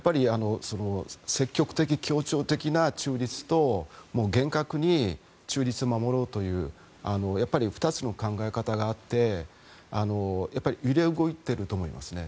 積極的、協調的な中立と厳格に中立を守ろうという２つの考え方があって揺れ動いていると思いますね。